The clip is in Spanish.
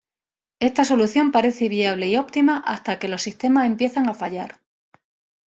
Esta solución parece viable y óptima hasta que los sistemas empiezan a fallar.